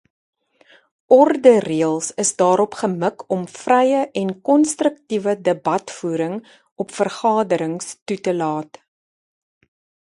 Ordereëls is daarop gemik om vrye en konstruktiewe debatvoering op vergaderings toe te laat.